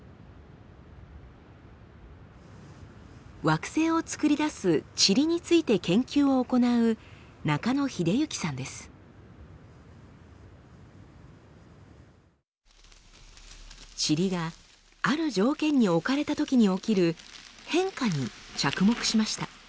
惑星をつくり出すチリについて研究を行うチリがある条件に置かれたときに起きる変化に着目しました。